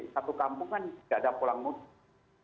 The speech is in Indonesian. satu kampung kan tidak ada pulang mudik